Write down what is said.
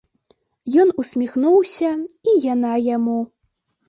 Ён усміхнуўся, і яна яму.